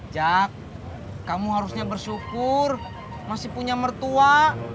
jack kamu harusnya bersyukur masih punya mertua